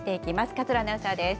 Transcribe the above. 勝呂アナウンサーです。